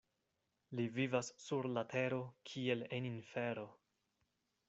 Li vivas sur la tero kiel en infero.